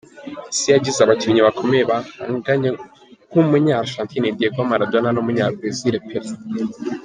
Isi yagize abakinnyi bakomeye bahanganye nk’umunya Argentina Diego Maradona n’umunya Brazil Pele.